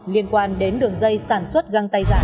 liên quan đến đường dây sản xuất găng tay giả